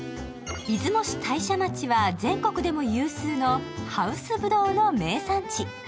出雲市大社町は全国でも有数のハウスぶどうの名産地。